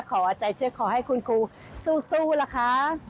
ขออาจ่ายเชื่อขอให้คุณครูสู้ล่ะคะ